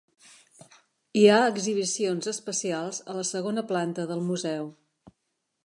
Hi ha exhibicions especials a la segona planta del museu.